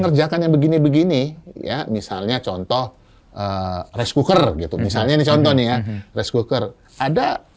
ngerjakannya begini begini ya misalnya contoh rice cooker gitu misalnya ini contohnya rice cooker ada